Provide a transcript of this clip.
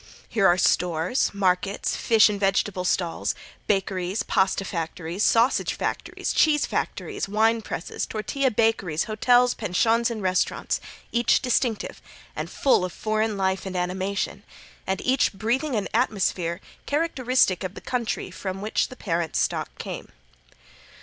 Here are stores, markets, fish and vegetable stalls, bakeries, paste factories, sausage factories, cheese factories, wine presses, tortilla bakeries, hotels, pensions, and restaurants; each distinctive and full of foreign life and animation, and each breathing an atmosphere characteristic of the country from which the parent stock came.